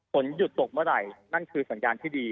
ฝนหยุดตกเมื่อไหร่นั่นคือสัญญาณที่ดี